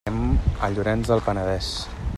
Anem a Llorenç del Penedès.